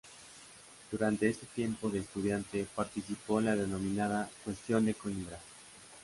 Durante este tiempo de estudiante participó en la denominada "Cuestión de Coímbra".